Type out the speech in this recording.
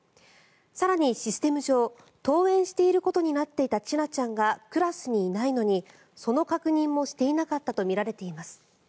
更に、システム上登園していることになっていた千奈ちゃんがクラスにいないのにその確認もしていなかったとみられています。